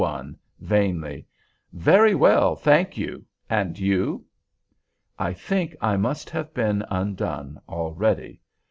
1, vainly: "Very well, thank you; and you?" I think I must have been undone already.